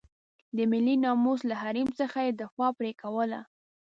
د ملي ناموس له حریم څخه یې دفاع پرې کوله.